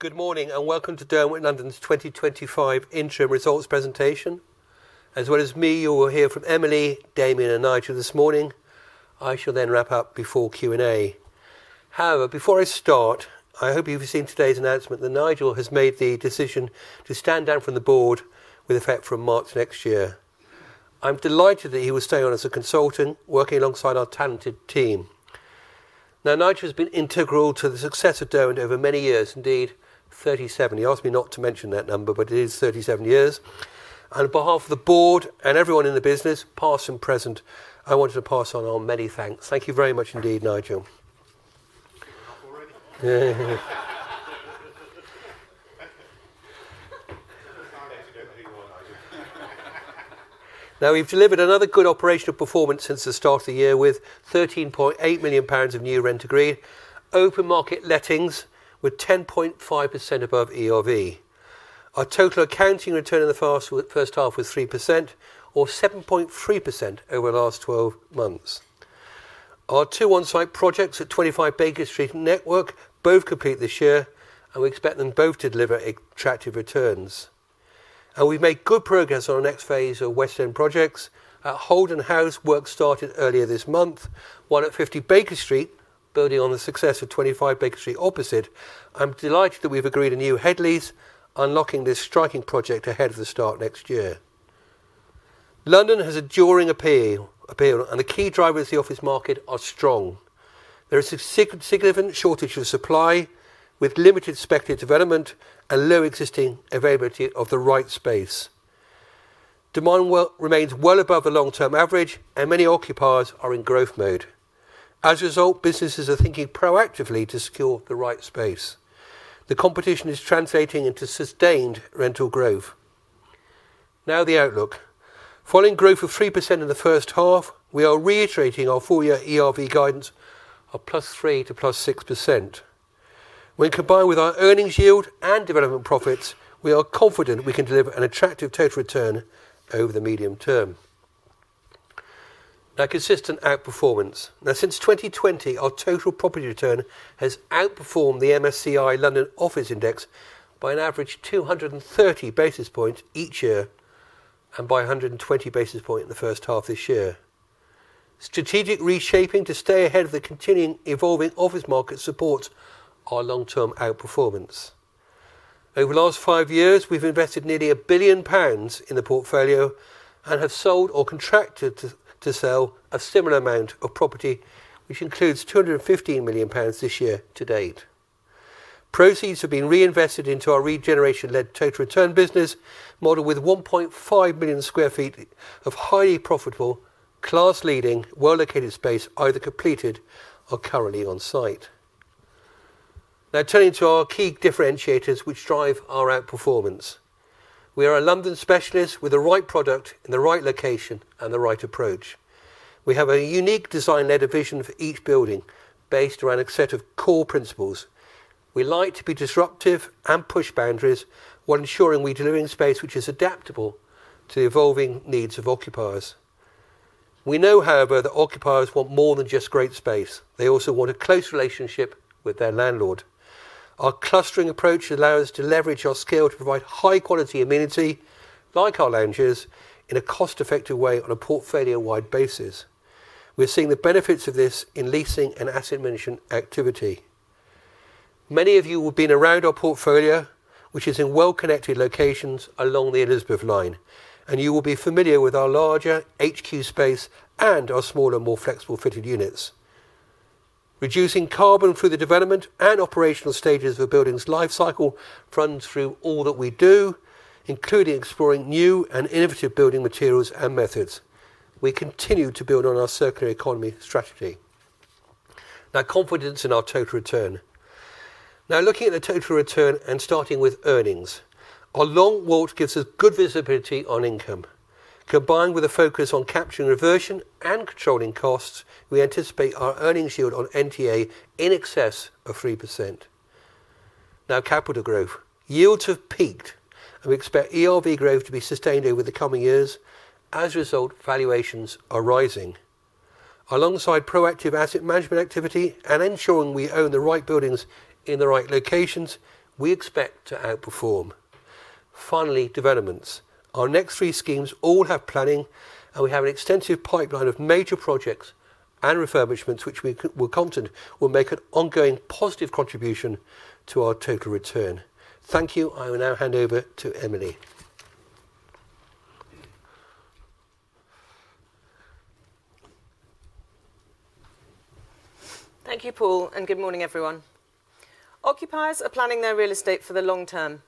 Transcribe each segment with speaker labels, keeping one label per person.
Speaker 1: Good morning and welcome to Derwent London's 2025 interim results presentation. As well as me, you will hear from Emily, Damian, and Nigel this morning. I shall then wrap up before Q&A. However, before I start, I hope you've seen today's announcement that Nigel has made the decision to stand down from the board with effect from March next year. I'm delighted that he will stay on as a consultant, working alongside our talented team. Nigel has been integral to the success of Derwent over many years, indeed, 37. He asked me not to mention that number, but it is 37 years. On behalf of the board and everyone in the business, past and present, I wanted to pass on our many thanks. Thank you very much indeed, Nigel. We've delivered another good operational performance since the start of the year with 13.8 million pounds of new rent agreed, open market lettings with 10.5% above ERV. Our total accounting return in the first half was 3%, or 7.3% over the last 12 months. Our two on-site projects at 25 Baker Street and Network both complete this year, and we expect them both to deliver attractive returns. We've made good progress on our next phase of West End projects. At Holden House, work started earlier this month, one at 50 Baker Street, building on the success of 25 Baker Street opposite. I'm delighted that we've agreed a new headlease, unlocking this striking project ahead of the start next year. London has enduring appeal, and the key drivers of the office market are strong. There is a significant shortage of supply, with limited expected development and low existing availability of the right space. Demand remains well above the long-term average, and many occupiers are in growth mode. As a result, businesses are thinking proactively to secure the right space. The competition is translating into sustained rental growth. Now, the outlook. Following growth of 3% in the first half, we are reiterating our four-year ERV guidance of +3% to +6%. When combined with our earnings yield and development profits, we are confident we can deliver an attractive total return over the medium term. Consistent outperformance. Since 2020, our total property return has outperformed the MSCI London Office Index by an average of 230 basis points each year, and by 120 basis points in the first half this year. Strategic reshaping to stay ahead of the continuing evolving office market supports our long-term outperformance. Over the last five years, we've invested nearly a billion pounds in the portfolio and have sold or contracted to sell a similar amount of property, which includes 215 million pounds this year to date. Proceeds have been reinvested into our regeneration-led total return business model with 1.5 million square feet of highly profitable, class-leading, well-located space either completed or currently on site. Now, turning to our key differentiators, which drive our outperformance. We are a London specialist with the right product in the right location and the right approach. We have a unique design-led vision for each building based around a set of core principles. We like to be disruptive and push boundaries while ensuring we deliver in space which is adaptable to the evolving needs of occupiers. We know, however, that occupiers want more than just great space. They also want a close relationship with their landlord. Our clustering approach allows us to leverage our scale to provide high-quality amenity like our lounges in a cost-effective way on a portfolio-wide basis. We're seeing the benefits of this in leasing and asset management activity. Many of you will have been around our portfolio, which is in well-connected locations along the Elizabeth line, and you will be familiar with our larger HQ space and our smaller, more flexible fitted units. Reducing carbon through the development and operational stages of a building's lifecycle runs through all that we do, including exploring new and innovative building materials and methods. We continue to build on our circular economy strategy. Now, confidence in our total return. Now, looking at the total return and starting with earnings, our long WALT gives us good visibility on income. Combined with a focus on capturing reversion and controlling costs, we anticipate our earnings yield on NTA in excess of 3%. Now, capital growth. Yields have peaked, and we expect ERV growth to be sustained over the coming years. As a result, valuations are rising. Alongside proactive asset management activity and ensuring we own the right buildings in the right locations, we expect to outperform. Finally, developments. Our next three schemes all have planning, and we have an extensive pipeline of major projects and refurbishments, which we will contend will make an ongoing positive contribution to our total return. Thank you. I will now hand over to Emily.
Speaker 2: Thank you, Paul, and good morning, everyone. Occupiers are planning their real estate for the long term.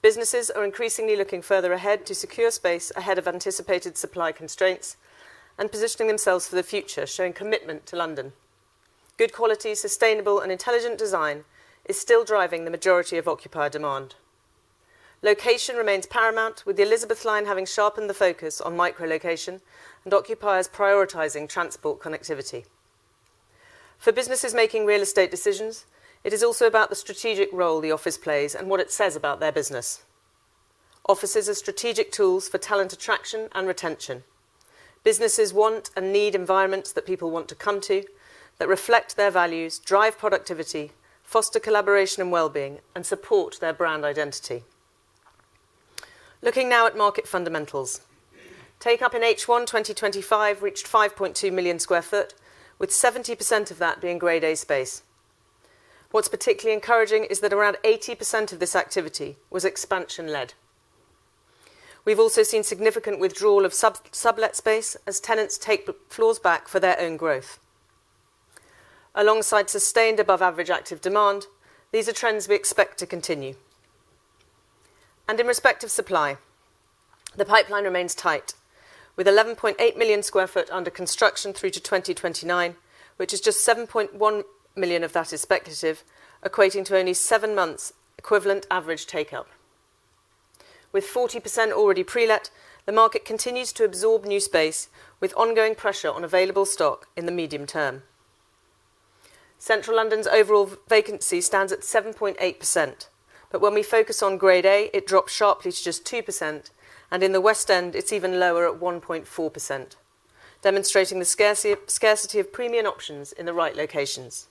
Speaker 2: Businesses are increasingly looking further ahead to secure space ahead of anticipated supply constraints and positioning themselves for the future, showing commitment to London. Good quality, sustainable, and intelligent design is still driving the majority of occupier demand. Location remains paramount, with the Elizabeth line having sharpened the focus on micro-location and occupiers prioritizing transport connectivity. For businesses making real estate decisions, it is also about the strategic role the office plays and what it says about their business. Offices are strategic tools for talent attraction and retention. Businesses want and need environments that people want to come to that reflect their values, drive productivity, foster collaboration and well-being, and support their brand identity. Looking now at market fundamentals, take up in H1 2025 reached 5.2 million square feet, with 70% of that being grade A space. What's particularly encouraging is that around 80% of this activity was expansion-led. We've also seen significant withdrawal of sublet space as tenants take floors back for their own growth. Alongside sustained above-average active demand, these are trends we expect to continue. In respect of supply, the pipeline remains tight, with 11.8 million square feet under construction through to 2029, which is just 7.1 million of that speculative, equating to only seven months' equivalent average take up. With 40% already pre-let, the market continues to absorb new space, with ongoing pressure on available stock in the medium term. Central London's overall vacancy stands at 7.8%, but when we focus on grade A, it drops sharply to just 2%, and in the West End, it's even lower at 1.4%, demonstrating the scarcity of premium options in the right locations.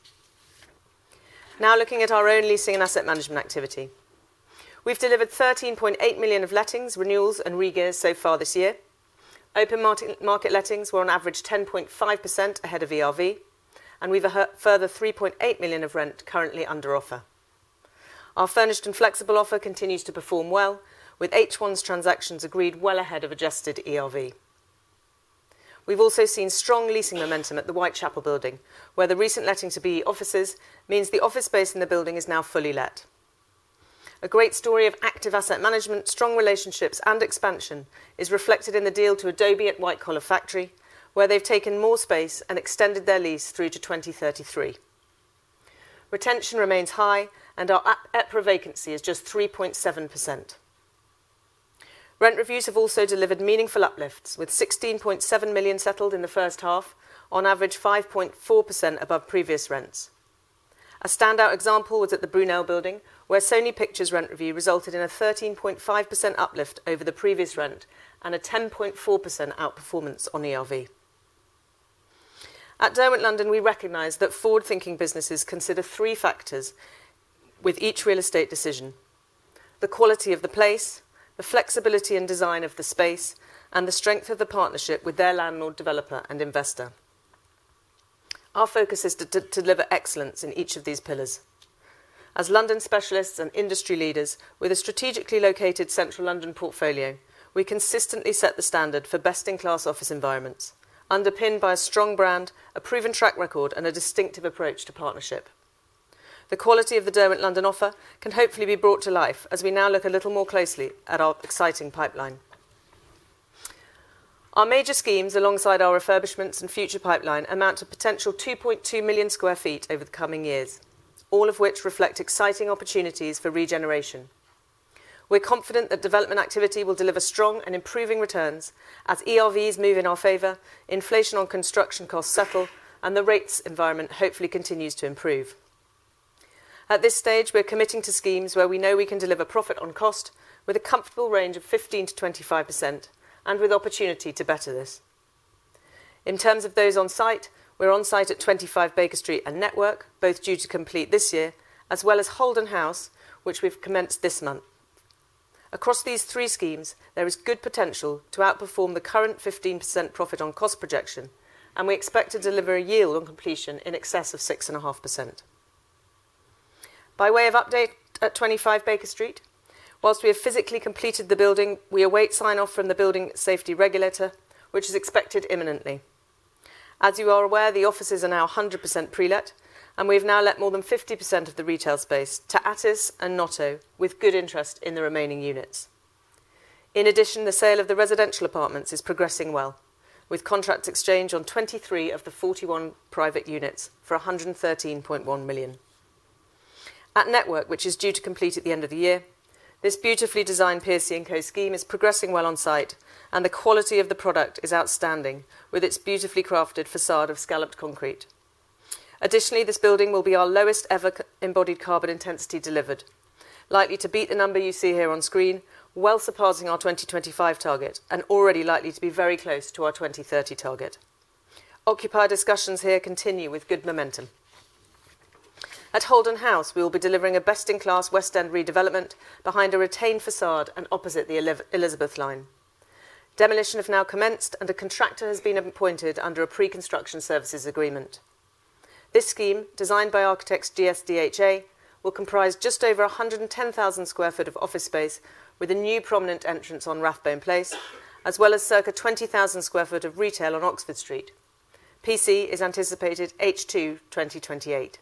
Speaker 2: Now, looking at our own leasing and asset management activity, we've delivered 13.8 million of lettings, renewals, and regears so far this year. Open market lettings were on average 10.5% ahead of ERV, and we have a further 3.8 million of rent currently under offer. Our furnished and flexible offer continues to perform well, with H1's transactions agreed well ahead of adjusted ERV. We've also seen strong leasing momentum at The White Chapel Building, where the recent letting to B offices means the office space in the building is now fully let. A great story of active asset management, strong relationships, and expansion is reflected in the deal to Adobe at White Collar Factory, where they've taken more space and extended their lease through to 2033. Retention remains high, and our EPRA vacancy is just 3.7%. Rent reviews have also delivered meaningful uplifts, with 16.7 million settled in the first half, on average 5.4% above previous rents. A standout example was at the Brunel Building, where Sony Pictures rent review resulted in a 13.5% uplift over the previous rent and a 10.4% outperformance on ERV. At Derwent London, we recognize that forward-thinking businesses consider three factors with each real estate decision: the quality of the place, the flexibility and design of the space, and the strength of the partnership with their landlord, developer, and investor. Our focus is to deliver excellence in each of these pillars. As London specialists and industry leaders with a strategically located Central London portfolio, we consistently set the standard for best-in-class office environments, underpinned by a strong brand, a proven track record, and a distinctive approach to partnership. The quality of the Derwent London offer can hopefully be brought to life as we now look a little more closely at our exciting pipeline. Our major schemes, alongside our refurbishments and future pipeline, amount to a potential 2.2 million square feet over the coming years, all of which reflect exciting opportunities for regeneration. We're confident that development activity will deliver strong and improving returns as ERVs move in our favor, inflation on construction costs settle, and the rates environment hopefully continues to improve. At this stage, we're committing to schemes where we know we can deliver profit on cost with a comfortable range of 15%-25% and with opportunity to better this. In terms of those on site, we're on site at 25 Baker Street and Network, both due to complete this year, as well as Holden House, which we've commenced this month. Across these three schemes, there is good potential to outperform the current 15% profit on cost projection, and we expect to deliver a yield on completion in excess of 6.5%. By way of update at 25 Baker Street, whilst we have physically completed the building, we await sign-off from the building safety regulator, which is expected imminently. As you are aware, the offices are now 100% pre-let, and we have now let more than 50% of the retail space to Atis and Notto, with good interest in the remaining units. In addition, the sale of the residential apartments is progressing well, with contract exchange on 23 of the 41 private units for 113.1 million. At Network, which is due to complete at the end of the year, this beautifully designed Piercy&Co scheme is progressing well on site, and the quality of the product is outstanding with its beautifully crafted facade of scalloped concrete. Additionally, this building will be our lowest ever embodied carbon intensity delivered, likely to beat the number you see here on screen, well surpassing our 2025 target and already likely to be very close to our 2030 target. Occupier discussions here continue with good momentum. At Holden House, we will be delivering a best-in-class West End redevelopment behind a retained facade and opposite the Elizabeth line. Demolition has now commenced, and a contractor has been appointed under a pre-construction services agreement. This scheme, designed by architects DSDHA, will comprise just over 110,000 square feet of office space with a new prominent entrance on Rathbone Place, as well as circa 20,000 square feet of retail on Oxford Street. PC is anticipated H2 2028.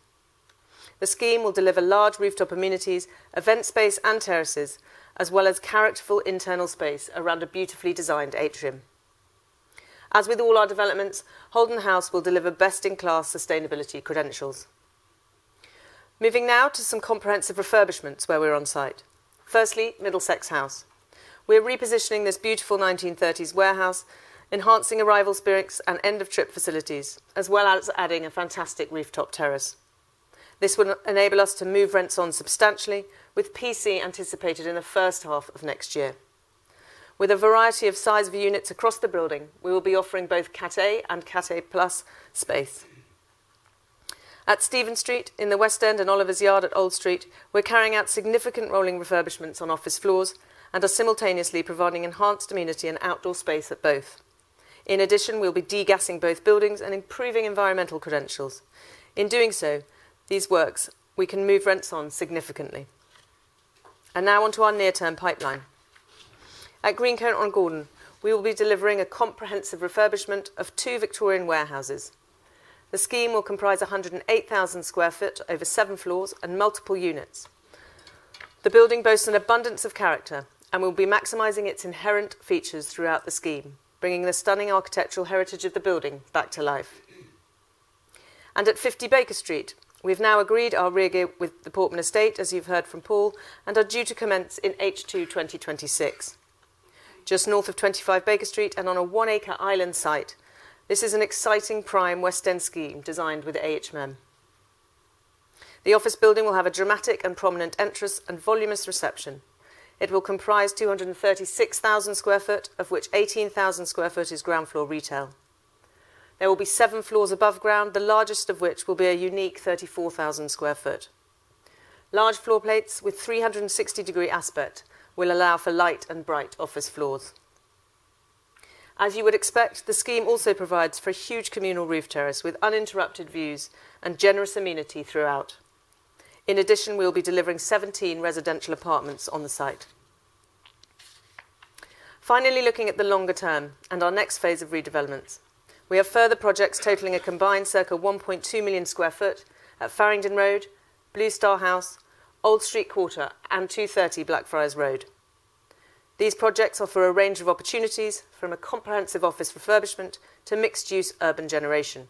Speaker 2: The scheme will deliver large rooftop amenities, event space, and terraces, as well as characterful internal space around a beautifully designed atrium. As with all our developments, Holden House will deliver best-in-class sustainability credentials. Moving now to some comprehensive refurbishments where we're on site. Firstly, Middlesex House. We're repositioning this beautiful 1930s warehouse, enhancing arrival spirits and end-of-trip facilities, as well as adding a fantastic rooftop terrace. This will enable us to move rents on substantially, with PC anticipated in the first half of next year. With a variety of size of units across the building, we will be offering both Katte and Katte Plus space. At Stephen Street in the West End and Oliver's Yard at Old Street, we're carrying out significant rolling refurbishments on office floors and are simultaneously providing enhanced amenity and outdoor space at both. In addition, we'll be degassing both buildings and improving environmental credentials. In doing so, these works, we can move rents on significantly. Now, onto our near-term pipeline. At Greencoat and Gordon, we will be delivering a comprehensive refurbishment of two Victorian warehouses. The scheme will comprise 108,000 square foot over seven floors and multiple units. The building boasts an abundance of character and will be maximizing its inherent features throughout the scheme, bringing the stunning architectural heritage of the building back to life. At 50 Baker Street, we've now agreed our re-gear with the Portman Estate, as you've heard from Paul, and are due to commence in H2 2026. Just north of 25 Baker Street and on a one-acre island site, this is an exciting prime West End scheme designed with AHMM. The office building will have a dramatic and prominent entrance and voluminous reception. It will comprise 236,000 square foot, of which 18,000 square foot is ground floor retail. There will be seven floors above ground, the largest of which will be a unique 34,000 square foot. Large floor plates with 360-degree aspect will allow for light and bright office floors. As you would expect, the scheme also provides for a huge communal roof terrace with uninterrupted views and generous amenity throughout. In addition, we'll be delivering 17 residential apartments on the site. Finally, looking at the longer term and our next phase of redevelopment, we have further projects totaling a combined circa 1.2 million square foot at Farringdon Road, Blue Star House, Old Street Quarter, and 230 Blackfriars Road. These projects offer a range of opportunities from a comprehensive office refurbishment to mixed-use urban generation.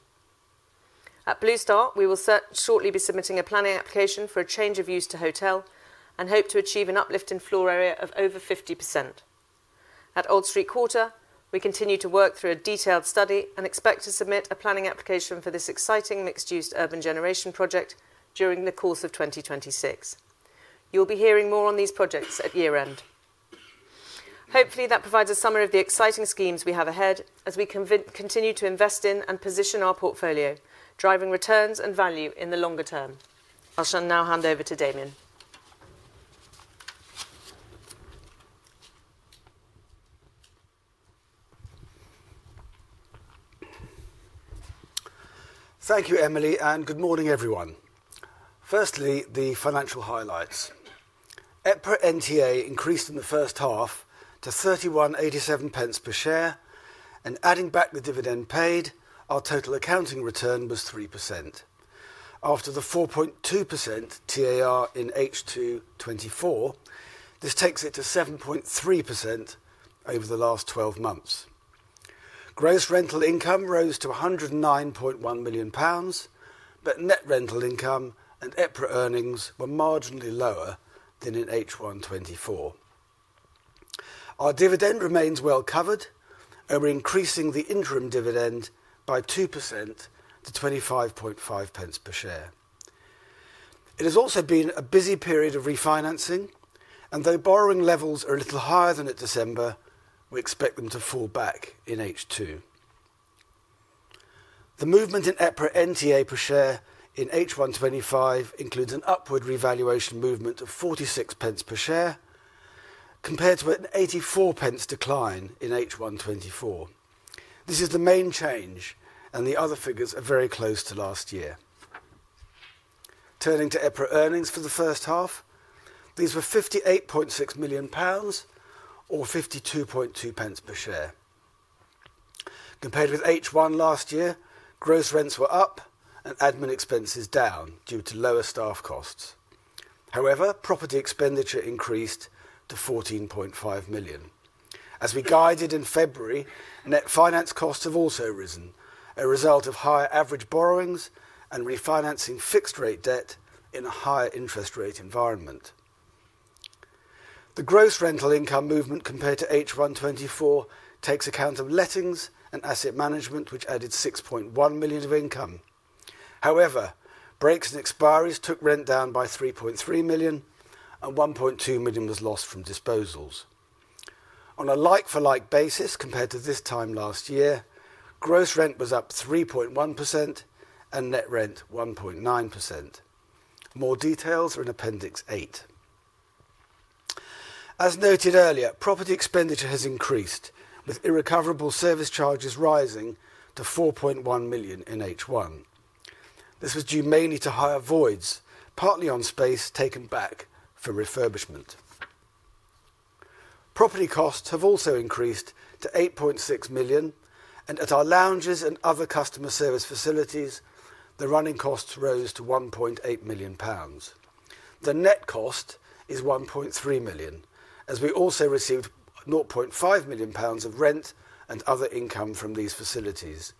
Speaker 2: At Blue Star, we will shortly be submitting a planning application for a change of use to hotel and hope to achieve an uplift in floor area of over 50%. At Old Street Quarter, we continue to work through a detailed study and expect to submit a planning application for this exciting mixed-use urban generation project during the course of 2026. You'll be hearing more on these projects at year-end. Hopefully, that provides a summary of the exciting schemes we have ahead as we continue to invest in and position our portfolio, driving returns and value in the longer term. I shall now hand over to Damian.
Speaker 3: Thank you, Emily, and good morning, everyone. Firstly, the financial highlights. EPRA NTA increased in the first half to 31.87 per share, and adding back the dividend paid, our total accounting return was 3%. After the 4.2% TAR in H2 2024, this takes it to 7.3% over the last 12 months. Gross rental income rose to 109.1 million pounds, but net rental income and EPRA earnings were marginally lower than in H1 2024. Our dividend remains well covered, and we're increasing the interim dividend by 2% to 25.5 per share. It has also been a busy period of refinancing, and though borrowing levels are a little higher than at December, we expect them to fall back in H2. The movement in EPRA NTA per share in H1 2025 includes an upward revaluation movement of 0.46 per share compared to a 0.84 decline in H1 2024. This is the main change, and the other figures are very close to last year. Turning to EPRA earnings for the first half, these were 58.6 million pounds or 52.2 per share. Compared with H1 last year, gross rents were up and admin expenses down due to lower staff costs. However, property expenditure increased to 14.5 million. As we guided in February, net finance costs have also risen, a result of higher average borrowings and refinancing fixed-rate debt in a higher interest rate environment. The gross rental income movement compared to H1 2024 takes account of lettings and asset management, which added 6.1 million of income. However, breaks and expiries took rent down by 3.3 million, and 1.2 million was lost from disposals. On a like-for-like basis compared to this time last year, gross rent was up 3.1% and net rent 1.9%. More details are in appendix eight. As noted earlier, property expenditure has increased, with irrecoverable service charges rising to 4.1 million in H1. This was due mainly to higher voids, partly on space taken back for refurbishment. Property costs have also increased to 8.6 million, and at our lounges and other customer service facilities, the running costs rose to 1.8 million pounds. The net cost is 1.3 million, as we also received 0.5 million pounds of rent and other income from these facilities,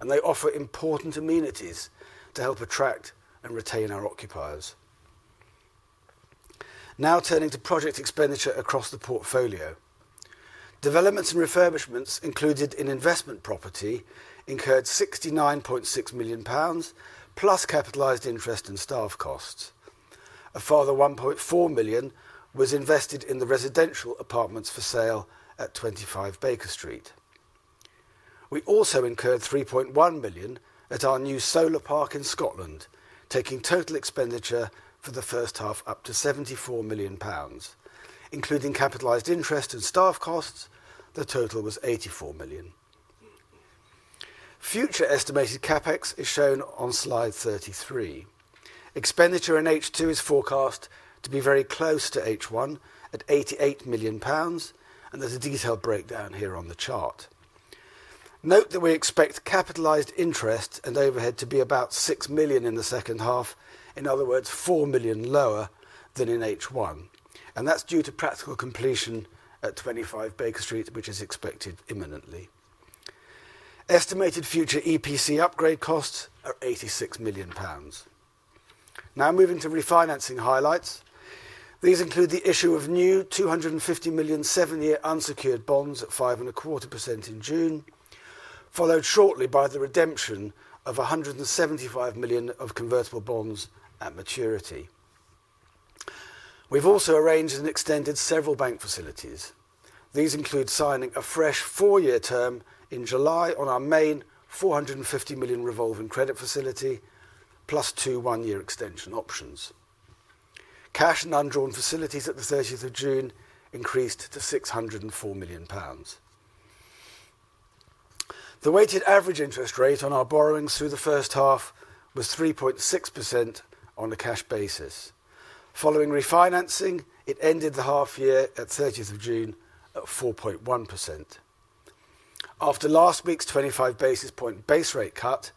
Speaker 3: and they offer important amenities to help attract and retain our occupiers. Now, turning to project expenditure across the portfolio, developments and refurbishments included in investment property incurred 69.6 million pounds plus capitalized interest and staff costs. A further 1.4 million was invested in the residential apartments for sale at 25 Baker Street. We also incurred 3.1 million at our new solar park in Scotland, taking total expenditure for the first half up to 74 million pounds, including capitalized interest and staff costs. The total was 84 million. Future estimated CapEx is shown on slide 33. Expenditure in H2 is forecast to be very close to H1 at 88 million pounds, and there's a detailed breakdown here on the chart. Note that we expect capitalized interest and overhead to be about 6 million in the second half, in other words, 4 million lower than in H1, and that's due to practical completion at 25 Baker Street, which is expected imminently. Estimated future EPC upgrade costs are 86 million pounds. Now, moving to refinancing highlights, these include the issue of new 250 million seven-year unsecured bonds at 5.25% in June, followed shortly by the redemption of 175 million of convertible bonds at maturity. We've also arranged and extended several bank facilities. These include signing a fresh four-year term in July on our main 450 million revolving credit facility, plus two one-year extension options. Cash and undrawn facilities at the 30th of June increased to 604 million pounds. The weighted average interest rate on our borrowings through the first half was 3.6% on a cash basis. Following refinancing, it ended the half year at 30th of June at 4.1%. After last week's 25 basis point base rate cut,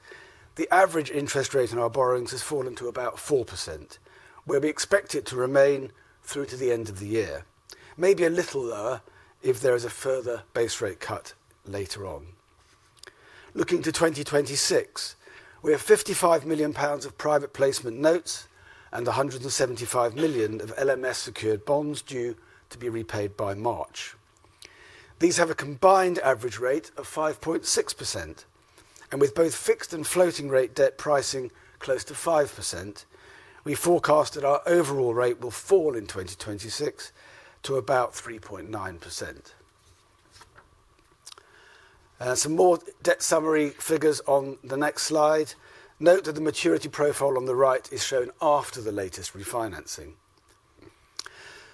Speaker 3: the average interest rate on our borrowings has fallen to about 4%. We'll be expected to remain through to the end of the year, maybe a little lower if there is a further base rate cut later on. Looking to 2026, we have 55 million pounds of private placement notes and 175 million of LMS secured bonds due to be repaid by March. These have a combined average rate of 5.6%, and with both fixed and floating rate debt pricing close to 5%, we forecast that our overall rate will fall in 2026 to about 3.9%. Some more debt summary figures on the next slide. Note that the maturity profile on the right is shown after the latest refinancing.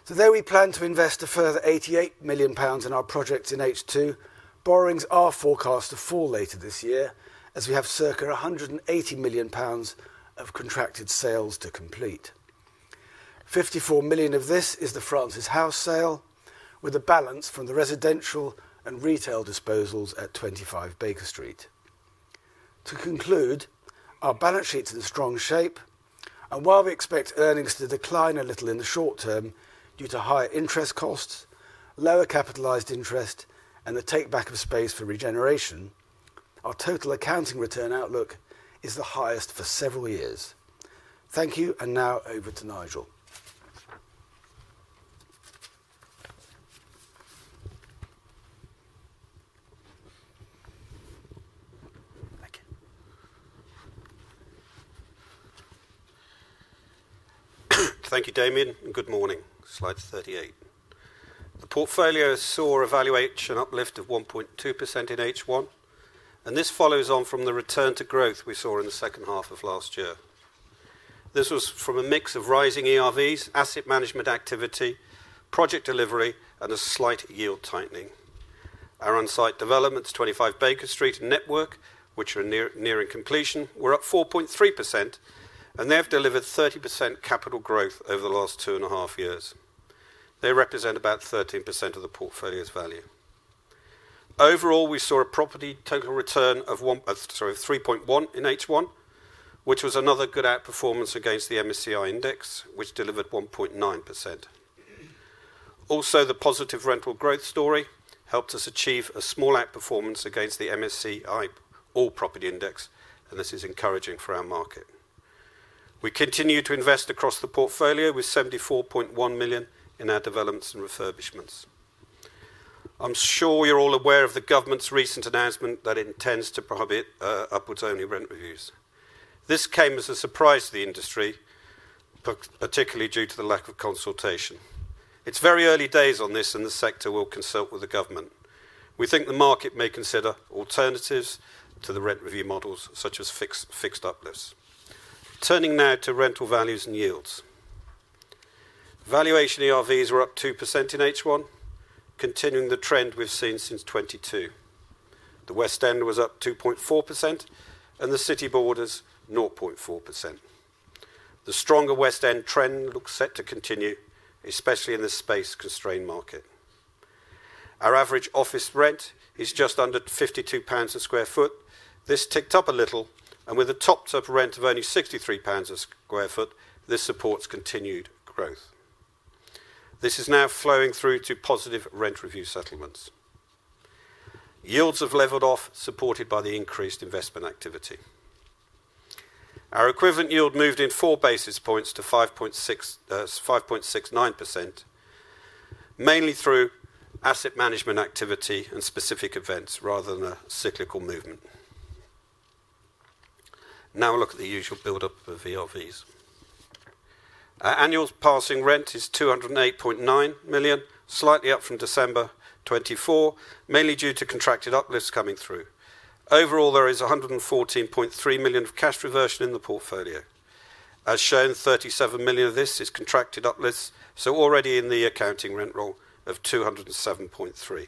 Speaker 3: We plan to invest a further 88 million pounds in our projects in H2. Borrowings are forecast to fall later this year as we have circa 180 million pounds of contracted sales to complete. 54 million of this is the Francis House sale, with a balance from the residential and retail disposals at 25 Baker Street. To conclude, our balance sheet is in strong shape, and while we expect earnings to decline a little in the short term due to higher interest costs, lower capitalized interest, and the take-back of space for regeneration, our total accounting return outlook is the highest for several years. Thank you, and now over to Nigel.
Speaker 4: Thank you, Damian, and good morning. Slide 38. The portfolio saw a valuation uplift of 1.2% in H1, and this follows on from the return to growth we saw in the second half of last year. This was from a mix of rising ERVs, asset management activity, project delivery, and a slight yield tightening. Our on-site developments, 25 Baker Street and Network, which are nearing completion, were up 4.3%, and they have delivered 30% capital growth over the last two and a half years. They represent about 13% of the portfolio's value. Overall, we saw a property total return of 3.1% in H1, which was another good outperformance against the MSCI Index, which delivered 1.9%. Also, the positive rental growth story helped us achieve a small outperformance against the MSCI All Property Index, and this is encouraging for our market. We continue to invest across the portfolio with 74.1 million in our developments and refurbishments. I'm sure you're all aware of the government's recent announcement that intends to prohibit upwards-only rent reviews. This came as a surprise to the industry, particularly due to the lack of consultation. It's very early days on this, and the sector will consult with the government. We think the market may consider alternatives to the rent review models, such as fixed uplifts. Turning now to rental values and yields. Valuation ERVs were up 2% in H1, continuing the trend we've seen since 2022. The West End was up 2.4%, and the city borders 0.4%. The stronger West End trend looks set to continue, especially in the space-constrained market. Our average office rent is just under 52 pounds a square foot. This ticked up a little, and with a top-top rent of only 63 pounds a square foot, this supports continued growth. This is now flowing through to positive rent review settlements. Yields have leveled off, supported by the increased investment activity. Our equivalent yield moved in four basis points to 5.69%, mainly through asset management activity and specific events rather than a cyclical movement. Now, we'll look at the usual buildup of ERVs. Annual passing rent is 208.9 million, slightly up from December 2024, mainly due to contracted uplifts coming through. Overall, there is 114.3 million of cash reversion in the portfolio. As shown, 37 million of this is contracted uplifts, so already in the accounting rent roll of 207.3 million.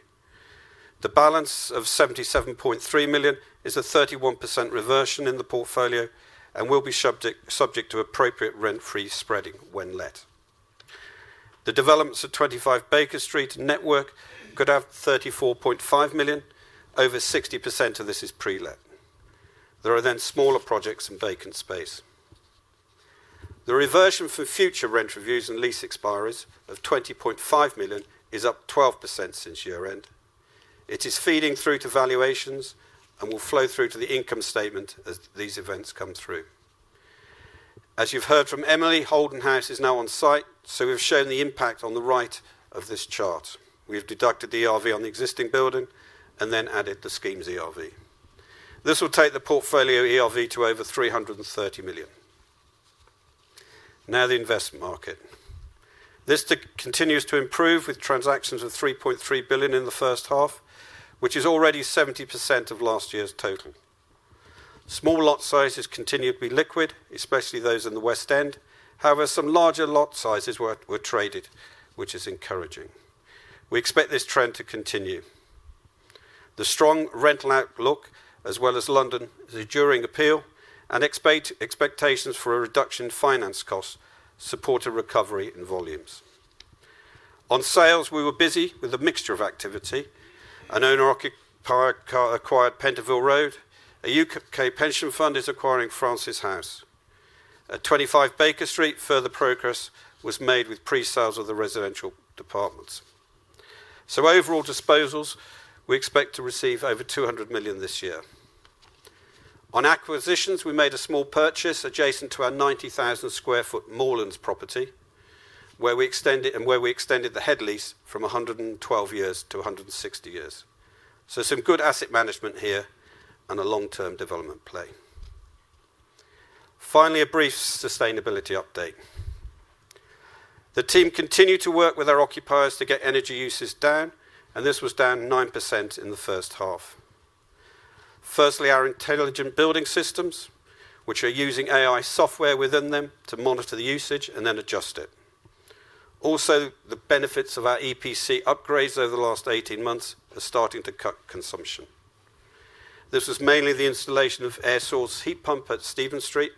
Speaker 4: The balance of 77.3 million is a 31% reversion in the portfolio and will be subject to appropriate rent-free spreading when let. The developments at 25 Baker Street and Network could have 34.5 million. Over 60% of this is pre-let. There are then smaller projects in vacant space. The reversion for future rent reviews and lease expiries of 20.5 million is up 12% since year-end. It is feeding through to valuations and will flow through to the income statement as these events come through. As you've heard from Emily, Holden House is now on site, so we've shown the impact on the right of this chart. We've deducted the ERV on the existing building and then added the scheme's ERV. This will take the portfolio ERV to over 330 million. Now, the investment market. This continues to improve with transactions of 3.3 billion in the first half, which is already 70% of last year's total. Small lot sizes continue to be liquid, especially those in the West End. However, some larger lot sizes were traded, which is encouraging. We expect this trend to continue. The strong rental outlook, as well as London, is an enduring appeal, and expectations for a reduction in finance costs support a recovery in volumes. On sales, we were busy with a mixture of activity. An owner acquired Pentonville Road. A U.K. pension fund is acquiring Francis House. At 25 Baker Street, further progress was made with pre-sales of the residential apartments. Overall disposals, we expect to receive over 200 million this year. On acquisitions, we made a small purchase adjacent to our 90,000 square foot Morelands property, where we extended the headlease from 112 years to 160 years. Some good asset management here and a long-term development play. Finally, a brief sustainability update. The team continued to work with our occupiers to get energy usage down, and this was down 9% in the first half. Firstly, our intelligent building systems, which are using AI software within them to monitor the usage and then adjust it. Also, the benefits of our EPC upgrades over the last 18 months are starting to cut consumption. This was mainly the installation of air source heat pump at Stephen Street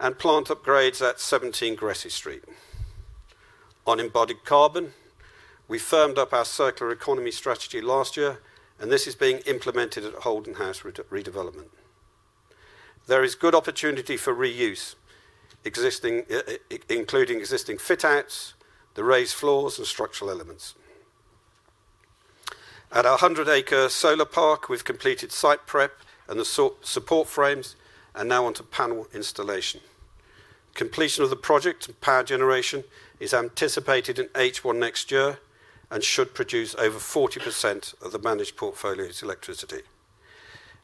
Speaker 4: and plant upgrades at 17 Gresse Street. On embodied carbon, we firmed up our circular economy strategy last year, and this is being implemented at Holden House redevelopment. There is good opportunity for reuse, including existing fit-outs, the raised floors, and structural elements. At our 100-acre solar park, we've completed site prep and the support frames and now onto panel installation. Completion of the project and power generation is anticipated in H1 next year and should produce over 40% of the managed portfolio's electricity.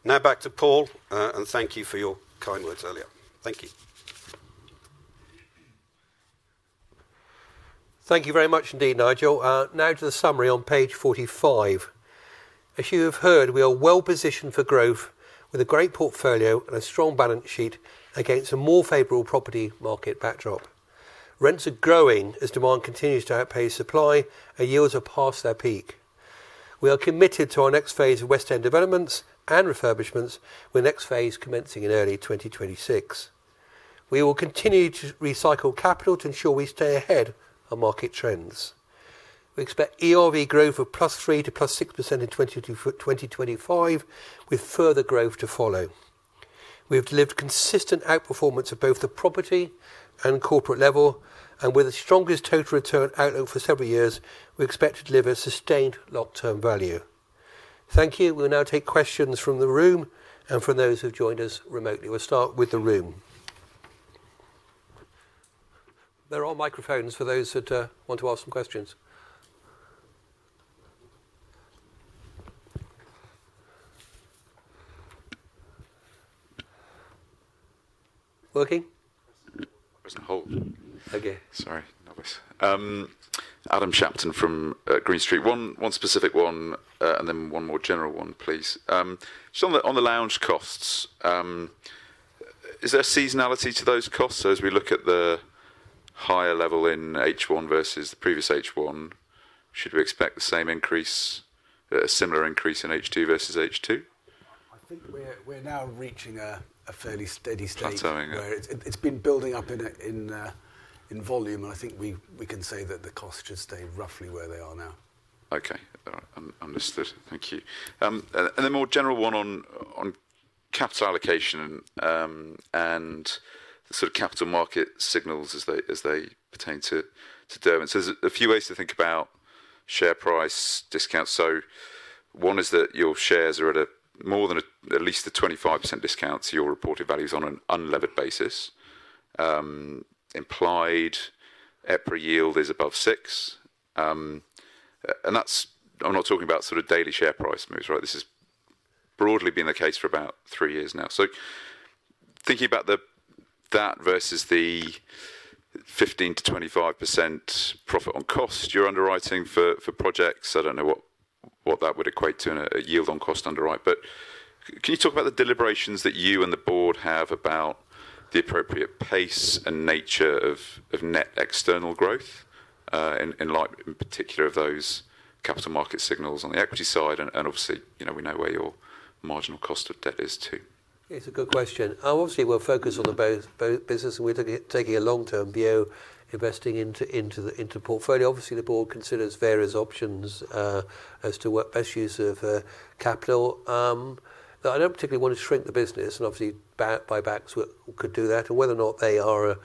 Speaker 4: Now, back to Paul, and thank you for your kind words earlier. Thank you.
Speaker 1: Thank you very much indeed, Nigel. Now, to the summary on page 45. As you have heard, we are well positioned for growth with a great portfolio and a strong balance sheet against a more favorable property market backdrop. Rents are growing as demand continues to outpace supply, and yields are past their peak. We are committed to our next phase of West End developments and refurbishments, with the next phase commencing in early 2026. We will continue to recycle capital to ensure we stay ahead of market trends. We expect ERV growth of +3% to +6% in 2025, with further growth to follow. We've delivered consistent outperformance at both the property and corporate level, and with the strongest total return outlook for several years, we expect to deliver sustained long-term value. Thank you. We will now take questions from the room and from those who have joined us remotely. We'll start with the room. There are microphones for those that want to ask some questions. Working?
Speaker 5: There's a hold.
Speaker 1: Okay.
Speaker 5: Sorry, novice. Adam Shapton from Green Street. One specific one, and then one more general one, please. Just on the lounge costs, is there seasonality to those costs? As we look at the higher level in H1 versus the previous H1, should we expect the same increase, a similar increase in H2 versus H2?
Speaker 3: I think we're now reaching a fairly steady state.
Speaker 5: That's how I know.
Speaker 3: It's been building up in volume, and I think we can say that the costs should stay roughly where they are now.
Speaker 5: Okay. Understood. Thank you. A more general one on capital allocation and sort of capital market signals as they pertain to Derwent London. There are a few ways to think about share price discounts. One is that your shares are at more than at least a 25% discount to your reported values on an unlevered basis. Implied EPRA yield is above 6%. I'm not talking about sort of daily share price moves, right? This has broadly been the case for about three years now. Thinking about that versus the 15%-25% profit on cost you're underwriting for projects, I don't know what that would equate to in a yield on cost underwrite. Can you talk about the deliberations that you and the board have about the appropriate pace and nature of net external growth, in particular of those capital market signals on the equity side? Obviously, you know we know where your marginal cost of debt is too.
Speaker 1: It's a good question. Obviously, we'll focus on the business, and we're taking a long-term view, investing into the portfolio. Obviously, the board considers various options as to what best use of capital. I don't particularly want to shrink the business, and buybacks could do that. Whether or not they are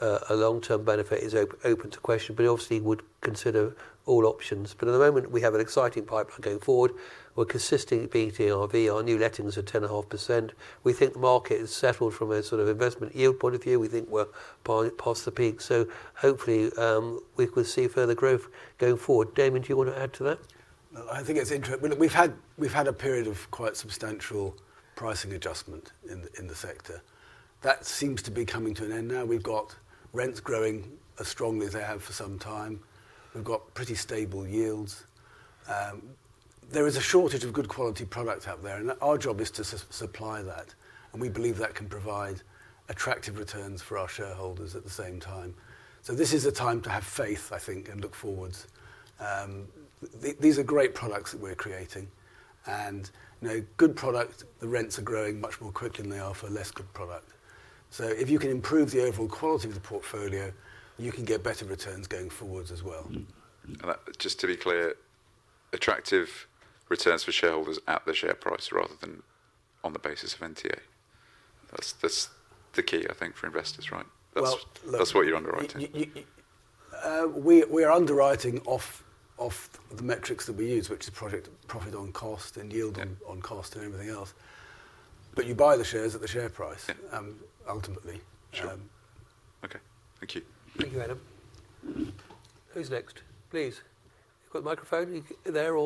Speaker 1: a long-term benefit is open to question, but we would consider all options. At the moment, we have an exciting pipeline going forward. We're consistently beating ERV. Our new lettings are 10.5%. We think the market is settled from a sort of investment yield point of view. We think we're past the peak. Hopefully, we could see further growth going forward. Damian, do you want to add to that?
Speaker 3: I think it's interesting. We've had a period of quite substantial pricing adjustment in the sector. That seems to be coming to an end now. We've got rents growing as strongly as they have for some time. We've got pretty stable yields. There is a shortage of good quality products out there, and our job is to supply that. We believe that can provide attractive returns for our shareholders at the same time. This is a time to have faith, I think, and look forwards. These are great products that we're creating. Good products, the rents are growing much more quickly than they are for less good product. If you can improve the overall quality of the portfolio, you can get better returns going forwards as well.
Speaker 5: Just to be clear, attractive returns for shareholders at the share price rather than on the basis of NTA. That's the key, I think, for investors, right? That's what you're underwriting.
Speaker 3: We are underwriting off the metrics that we use, which is project profit on cost, yield on cost, and everything else. You buy the shares at the share price, ultimately.
Speaker 5: Okay, thank you.
Speaker 1: Thank you, Adam. Who's next? Please, you've got the microphone there.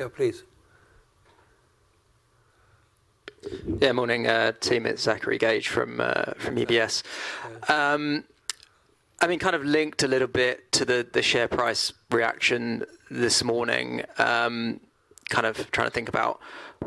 Speaker 1: Yeah, please.
Speaker 6: Yeah, morning, team. It's Zachary Gage from UBS. I mean, kind of linked a little bit to the share price reaction this morning. Trying to think about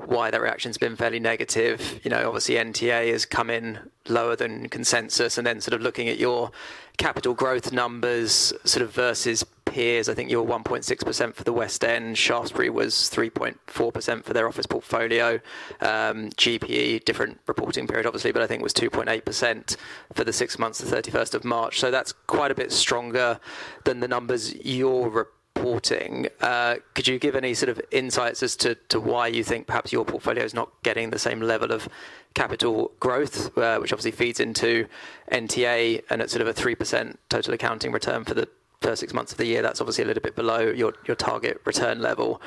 Speaker 6: why that reaction's been fairly negative. Obviously, NTA has come in lower than consensus. Looking at your capital growth numbers versus peers, I think you're 1.6% for the West End. Shaftesbury was 3.4% for their office portfolio. GPE, different reporting period, obviously, but I think it was 2.8% for the six months to 31st of March. That's quite a bit stronger than the numbers you're reporting. Could you give any insights as to why you think perhaps your portfolio is not getting the same level of capital growth, which obviously feeds into NTA and a 3% total accounting return for the first six months of the year? That's a little bit below your target return level.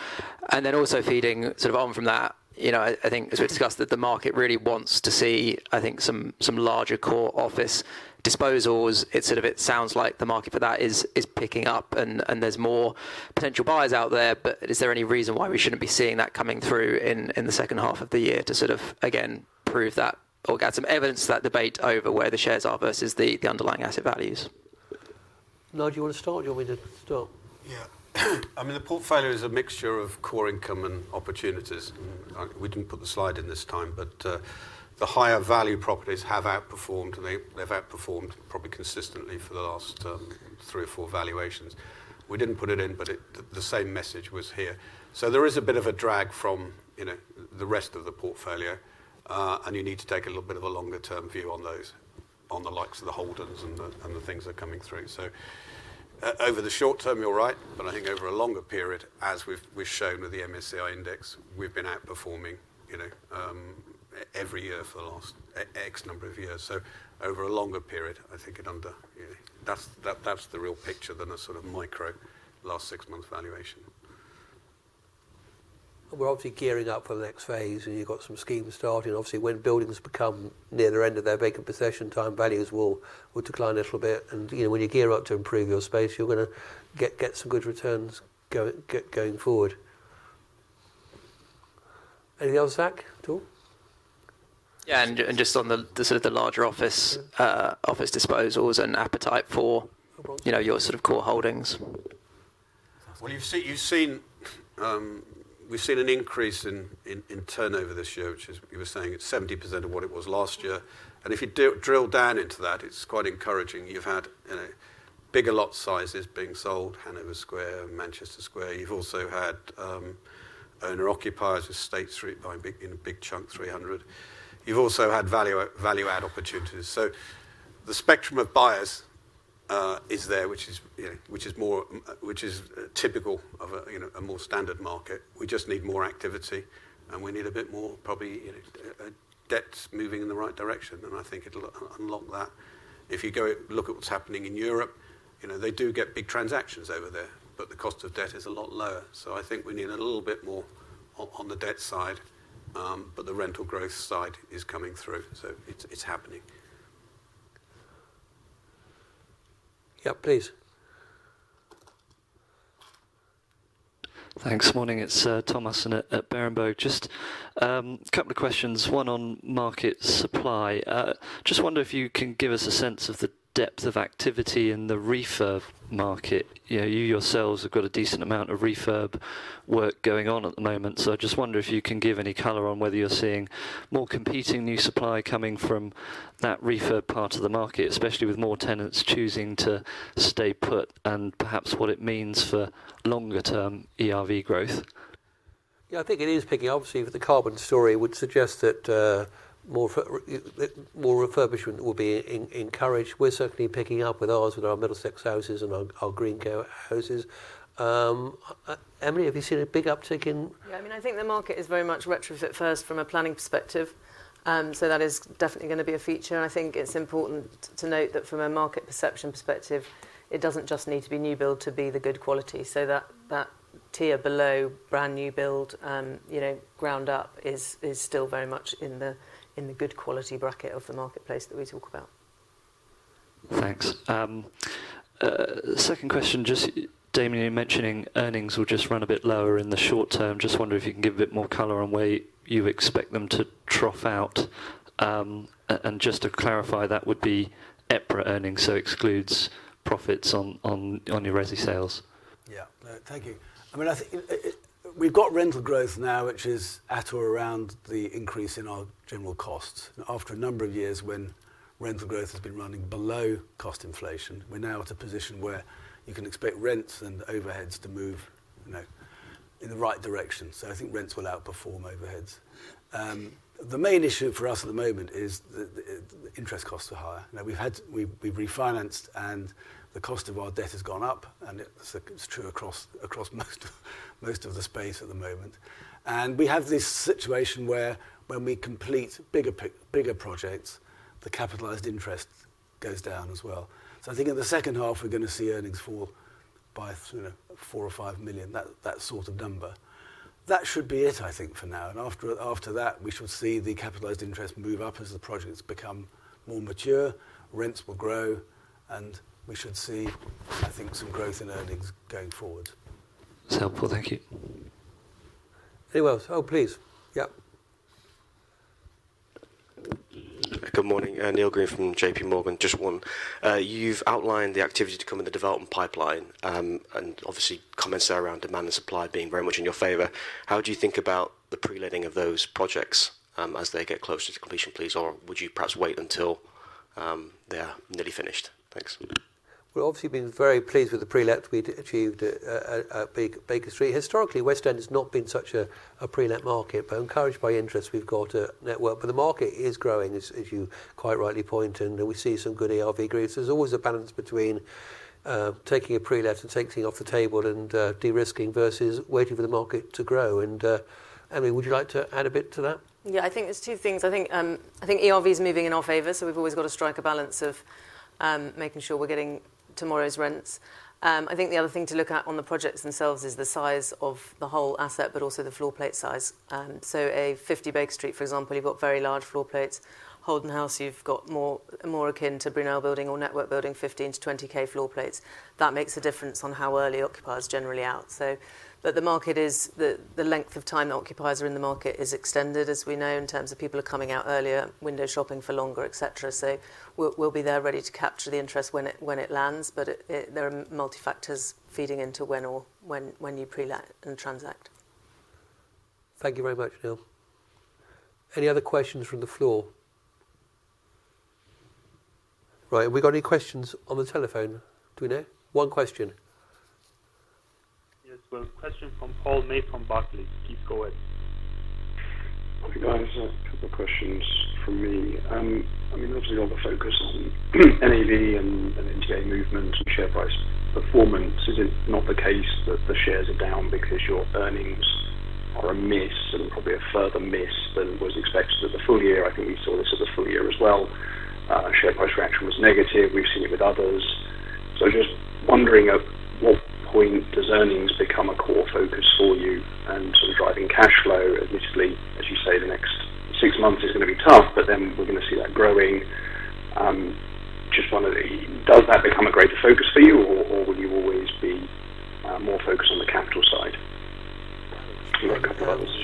Speaker 6: Also, feeding on from that, I think as we discussed, the market really wants to see some larger core office disposals. It sounds like the market for that is picking up and there's more potential buyers out there. Is there any reason why we shouldn't be seeing that coming through in the second half of the year to prove that or get some evidence of that debate over where the shares are versus the underlying asset values?
Speaker 1: Nigel, you want to start? Do you want me to start?
Speaker 4: Yeah. I mean, the portfolio is a mixture of core income and opportunities. We didn't put the slide in this time, but the higher value properties have outperformed. They've outperformed probably consistently for the last three or four valuations. We didn't put it in, but the same message was here. There is a bit of a drag from the rest of the portfolio. You need to take a little bit of a longer-term view on those, on the likes of the Holdens and the things that are coming through. Over the short term, you're right, but I think over a longer period, as we've shown with the MSCI Index, we've been outperforming every year for the last X number of years. Over a longer period, I think it under, you know, that's the real picture than a sort of micro last six months valuation.
Speaker 1: We're obviously gearing up for the next phase, and you've got some schemes starting. When buildings become near the end of their vacant possession time, values will decline a little bit. You know, when you gear up to improve your space, you're going to get some good returns going forward. Anything else, Zac, at all?
Speaker 6: Yeah, just on the sort of the larger office disposals and appetite for, you know, your sort of core holdings.
Speaker 4: You've seen, we've seen an increase in turnover this year, which is, you were saying, it's 70% of what it was last year. If you drill down into that, it's quite encouraging. You've had bigger lot sizes being sold, Hanover Square, Manchester Square. You've also had owner-occupiers with State Street buying in a big chunk, 300. You've also had value-add opportunities. The spectrum of buyers is there, which is typical of a more standard market. We just need more activity, and we need a bit more, probably, debts moving in the right direction, and I think it'll unlock that. If you go look at what's happening in Europe, they do get big transactions over there, but the cost of debt is a lot lower. I think we need a little bit more on the debt side, but the rental growth side is coming through. It's happening.
Speaker 1: Yeah, please. Thanks. Morning, it's Thomas at Berenberg. Just a couple of questions. One on market supply. I just wonder if you can give us a sense of the depth of activity in the refurb market. You know, you yourselves have got a decent amount of refurb work going on at the moment. I just wonder if you can give any color on whether you're seeing more competing new supply coming from that refurb part of the market, especially with more tenants choosing to stay put and perhaps what it means for longer-term ERV growth. Yeah, I think it is picking up. Obviously, the carbon story would suggest that more refurbishment will be encouraged. We're certainly picking up with ours, with our Middlesex Houses and our Greencoat Houses. Emily, have you seen a big uptick in?
Speaker 2: I think the market is very much retrofit-first from a planning perspective. That is definitely going to be a feature. I think it's important to note that from a market perception perspective, it doesn't just need to be new build to be the good quality. That tier below brand new build, you know, ground up, is still very much in the good quality bracket of the marketplace that we talk about. Thanks. Second question, Damian, you're mentioning earnings will just run a bit lower in the short term. I just wonder if you can give a bit more color on where you expect them to trough out. Just to clarify, that would be EPRA earnings, so excludes profits on your resi sales.
Speaker 3: Thank you. I mean, I think we've got rental growth now, which is at or around the increase in our general costs. After a number of years when rental growth has been running below cost inflation, we're now at a position where you can expect rents and overheads to move in the right direction. I think rents will outperform overheads. The main issue for us at the moment is that interest costs are higher. We've refinanced and the cost of our debt has gone up, and it's true across most of the space at the moment. We have this situation where when we complete bigger projects, the capitalized interest goes down as well. I think in the second half, we're going to see earnings fall by 4 million or 5 million, that sort of number. That should be it, I think, for now. After that, we should see the capitalized interest move up as the projects become more mature, rents will grow, and we should see, I think, some growth in earnings going forward. That's helpful. Thank you.
Speaker 1: Anyone else? Please, yeah. Good morning. Neil Greer from JPMorgan. Just one. You've outlined the activity to come in the development pipeline, and obviously, comments are around demand and supply being very much in your favor. How do you think about the pre-letting of those projects as they get closer to completion, please, or would you perhaps wait until they are nearly finished? Thanks. We've obviously been very pleased with the pre-let that we achieved at 25 Baker Street. Historically, West End has not been such a pre-let market, but encouraged by interest, we've got Network, but the market is growing, as you quite rightly point, and we see some good ERV growth. There's always a balance between taking a pre-let and taking off the table and de-risking versus waiting for the market to grow. Emily, would you like to add a bit to that?
Speaker 2: Yeah, I think there's two things. I think ERV is moving in our favor, so we've always got to strike a balance of making sure we're getting tomorrow's rents. The other thing to look at on the projects themselves is the size of the whole asset, but also the floor plate size. At 50 Baker Street, for example, you've got very large floor plates. Holden House, you've got more akin to Brunel Building or Network Building, 15,000-20,000 floor plates. That makes a difference on how early occupiers are generally out. The market is the length of time that occupiers are in the market is extended, as we know, in terms of people are coming out earlier, window shopping for longer, etc. We'll be there ready to capture the interest when it lands, but there are multi-factors feeding into when you pre-let and transact.
Speaker 1: Thank you very much, Neil. Any other questions from the floor? Right. Have we got any questions on the telephone? Do we know? One question.
Speaker 7: Yes, question from Paul May from Barclays. Please, go ahead.
Speaker 8: Hi guys. A couple of questions from me. Obviously, all the focus on NAV and NTA movement and share price performance is not the case that the shares are down because your earnings are a miss and probably a further miss than was expected as a full year. I think you saw this as a full year as well. Our share price fraction was negative. We've seen it with others. I was just wondering at what point does earnings become a core focus for you and sort of driving cash flow? Admittedly, as you say, the next six months is going to be tough, but then we're going to see that growing. Just wondered, does that become a greater focus for you or will you always be more focused on the capital side?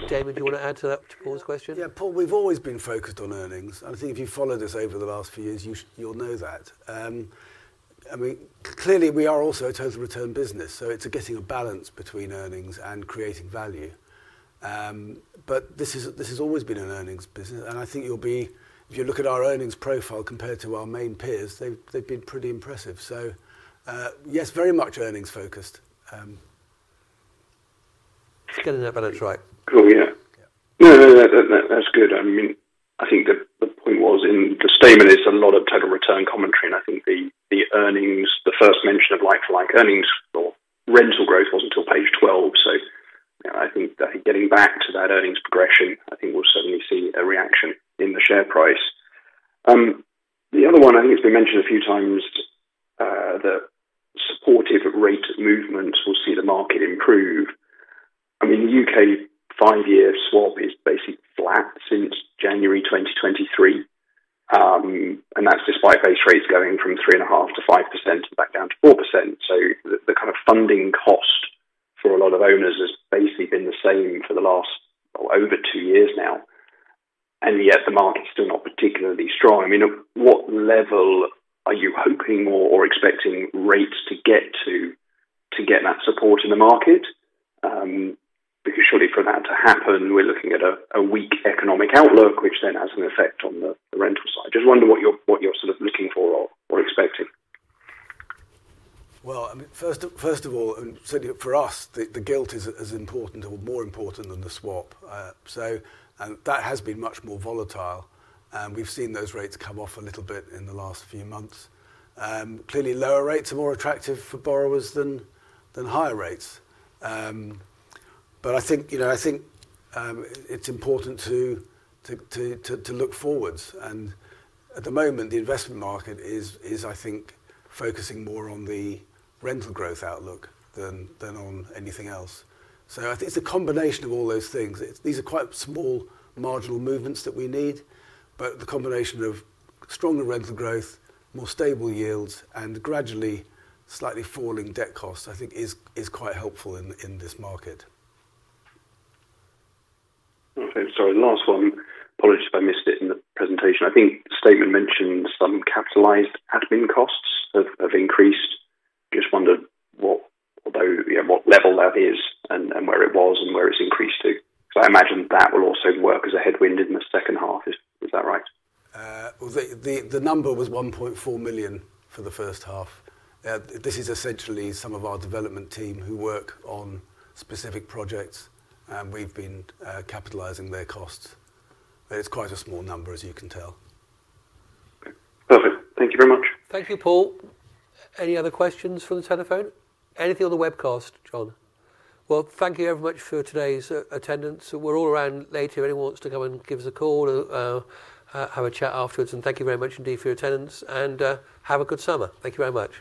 Speaker 1: Damian, do you want to add to Paul's question?
Speaker 3: Yeah, Paul, we've always been focused on earnings. I think if you follow this over the last few years, you'll know that. Clearly, we are also a total return business, so it's getting a balance between earnings and creating value. This has always been an earnings business. I think you'll be, if you look at our earnings profile compared to our main peers, they've been pretty impressive. Yes, very much earnings focused.
Speaker 1: Let's get it up and it's right.
Speaker 8: Yeah, that's good. I think the point was in the statement is a lot of total return commentary. I think the earnings, the first mention of like-for-like earnings or rental growth wasn't until page 12. Getting back to that earnings progression, I think we'll certainly see a reaction in the share price. The other one, I think it's been mentioned a few times, the supportive rate of movement will see the market improve. The U.K. five-year swap is basically flat since January 2023. That's despite base rates going from 3.5% to 5% and back down to 4%. The kind of funding cost for a lot of owners has basically been the same for the last over two years now, yet the market's still not particularly strong. What level are you hoping or expecting rates to get to to get that support in the market? Surely for that to happen, we're looking at a weak economic outlook, which then has an effect on the rental side. Just wonder what you're sort of looking for or expecting.
Speaker 3: First of all, certainly for us, the gilt is as important or more important than the swap. That has been much more volatile, and we've seen those rates come off a little bit in the last few months. Clearly, lower rates are more attractive for borrowers than higher rates. I think it's important to look forwards. At the moment, the investment market is focusing more on the rental growth outlook than on anything else. I think it's a combination of all those things. These are quite small marginal movements that we need, but the combination of stronger rental growth, more stable yields, and gradually slightly falling debt costs, I think, is quite helpful in this market.
Speaker 8: Okay, sorry. Last one, apologies if I missed it in the presentation. I think the statement mentioned some capitalized admin costs have increased. Just wonder what level that is, where it was, and where it's increased to. I imagine that will also work as a headwind in the second half. Is that right?
Speaker 3: The number was 1.4 million for the first half. This is essentially some of our development team who work on specific projects, and we've been capitalizing their costs. It's quite a small number, as you can tell.
Speaker 8: Thank you very much.
Speaker 1: Thank you, Paul. Any other questions from the telephone? Anything on the webcast, John? Thank you very much for today's attendance. We're all around late. If anyone wants to come and give us a call or have a chat afterwards, thank you very much indeed for your attendance, and have a good summer. Thank you very much.